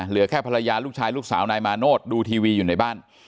เหลือแค่ภรรยาลูกชายลูกสาวนายมาโนธดูทีวีอยู่ในบ้าน